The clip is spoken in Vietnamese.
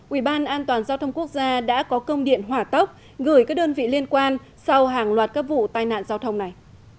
ủy ban an toàn giao thông quốc gia đã có công điện hỏa tốc gửi các đơn vị liên quan sau hàng loạt các vụ tai nạn giao thông này